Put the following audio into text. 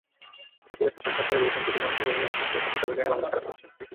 সাকিব একটা সাক্ষাৎকারে বলেছেন, দেশের মানুষের প্রত্যাশার চাপের কারণে বাংলাদেশ খারাপ করেছে।